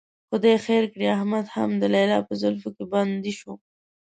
خدای خیر کړي، احمد هم د لیلا په زلفو کې بندي شو.